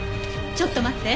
ちょっと待って。